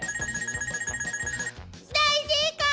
大正解！